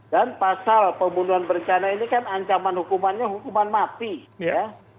dan perubatan berencana kan hukuman tersebut mati ya